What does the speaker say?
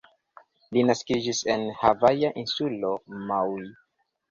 Li naskiĝis en havaja insulo Maui.